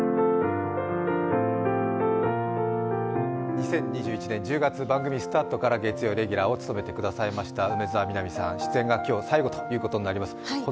２０２１年番組スタートから月曜レギュラーを務めていただきました梅澤美波さん出演が今日、最後となります。